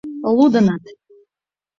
— Лудыныт.